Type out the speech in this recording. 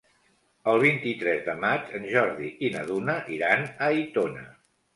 El vint-i-tres de maig en Jordi i na Duna iran a Aitona.